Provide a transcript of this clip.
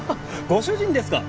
ご主人ですか？